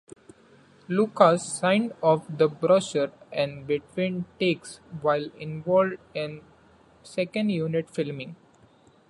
Lucas signed off the brochure in between takes while involved in second unit filming.